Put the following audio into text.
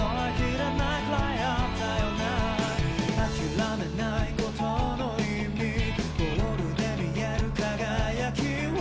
「諦めないことの意味」「ゴールで見える輝きを」